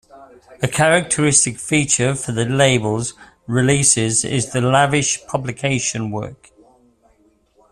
A characteristic feature for the labels releases is the lavish publication work.